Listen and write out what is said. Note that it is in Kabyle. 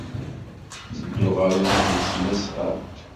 Ttedduɣ ɣer umahil s tesnasɣalt.